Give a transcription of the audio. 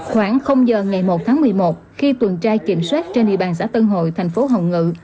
khoảng giờ ngày một tháng một mươi một khi tuần tra kiểm soát trên địa bàn xã tân hội thành phố hồng ngự